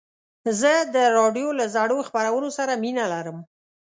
زه د راډیو له زړو خپرونو سره مینه لرم.